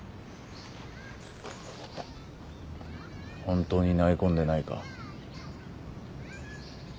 本当に投げ込んでないか？